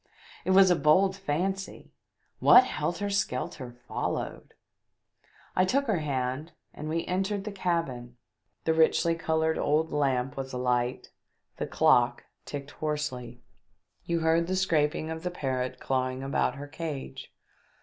"It was a bold fancy! What helter skelter followed !" I took her hand and we entered the cabin. The richly coloured old lamp was alight, the clock ticked hoarsely, you heard 376 THE DEATH SHIP. the scraping of the parrot clawing about her cage.